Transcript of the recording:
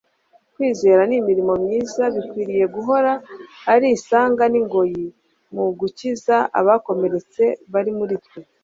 kwizera n'imirimo myiza bikwiriye guhora ari isanga n'ingoyi mu gukiza abakomeretse bari muri twe